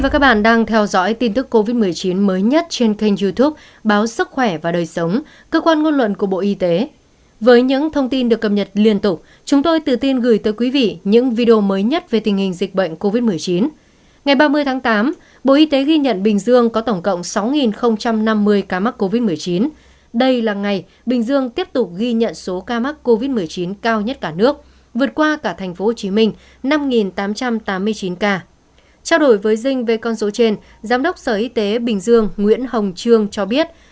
các bạn hãy đăng ký kênh để ủng hộ kênh của chúng mình nhé